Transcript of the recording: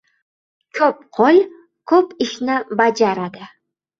• Ko‘p qo‘l ko‘p ishni bajaradi.